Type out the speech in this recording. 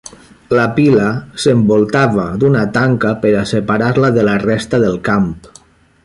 La pila s'envoltava d'una tanca per a separar-la de la resta del camp.